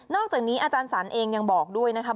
อกจากนี้อาจารย์สรรเองยังบอกด้วยนะครับ